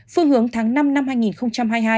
phương hướng tháng năm năm hai nghìn hai mươi hai